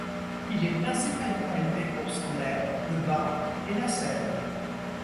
Il est principalement élevé pour son lait, le bât, et la selle.